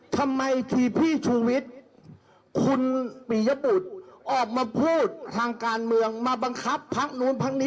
ทำไมทีพี่ชูวิทย์คุณปียบุตรออกมาพูดทางการเมืองมาบังคับพักนู้นพักนี้